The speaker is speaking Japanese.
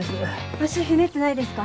足ひねってないですか？